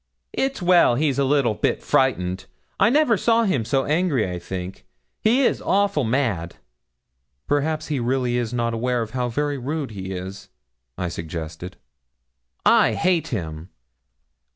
'It's well he's a little bit frightened I never saw him so angry, I think; he is awful mad.' 'Perhaps he really is not aware how very rude he is,' I suggested. 'I hate him.